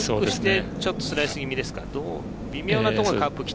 ちょっとスライス気味ですか？